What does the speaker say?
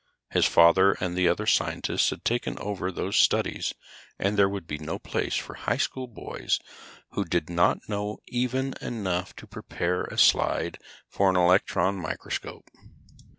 His father and the other scientists had taken over those studies, and there would be no place for high school boys who did not know even enough to prepare a slide for an electron microscope.